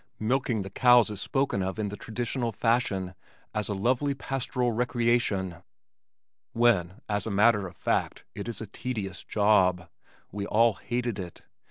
Milking the cows is spoken of in the traditional fashion as a lovely pastoral recreation, when as a matter of fact it is a tedious job. We all hated it.